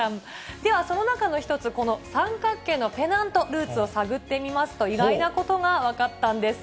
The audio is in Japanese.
ではその中の一つ、三角形のペナント、ルーツを探ってみますと、意外なことが分かったんです。